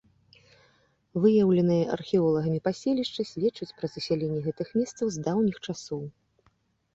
Выяўленае археолагамі паселішчы сведчыць пра засяленне гэтых месцаў з даўніх часоў.